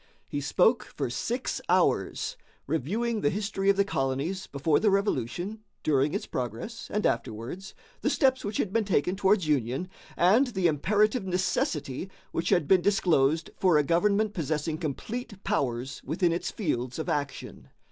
He spoke for six hours, reviewing the history of the colonies before the Revolution, during its progress, and afterwards, the steps which had been taken towards union, and the imperative necessity which had been disclosed for a government possessing complete powers within its fields of action.